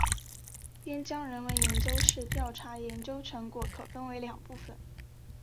边疆人文研究室调查研究成果可分为两部分。